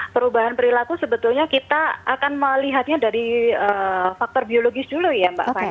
perubahan perilaku sebetulnya kita akan melihatnya dari faktor biologis dulu ya mbak fani